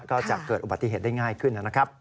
ก็จะเกิดอุบัติเหตุได้ง่ายขึ้นนะครับ